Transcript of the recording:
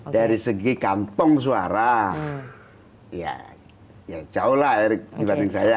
dari segi kantong suara ya jauh lah erick dibanding saya